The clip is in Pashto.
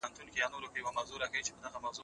د یو بریالي انسان په توګه.